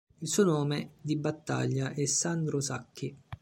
Il suo nome di battaglia è Sandro Sacchi.